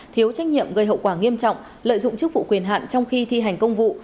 thiếu trách nhiệm gây hậu quả nghiêm trọng lợi dụng chức vụ quyền hạn trong khi thi hành công vụ